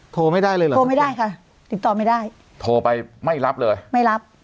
โทรไม่ได้เลยเหรอโทรไม่ได้ค่ะติดต่อไม่ได้โทรไปไม่รับเลยไม่รับ